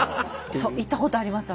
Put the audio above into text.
行ったことあります